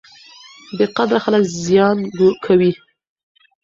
بې قدره خلک زیان کوي.